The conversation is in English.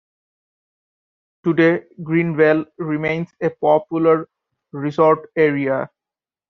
Today, Greenville remains a popular resort area.